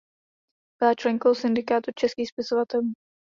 Byla členkou Syndikátu českých spisovatelů.